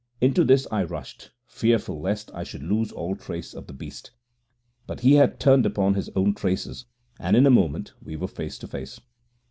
Into this I rushed, fearful lest I should lose all trace of the beast. But he had turned upon his own traces, and in a moment we were face to face.